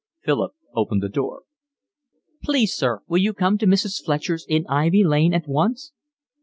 Philip opened the door. "Please, sir, will you come to Mrs. Fletcher's in Ivy Lane at once?"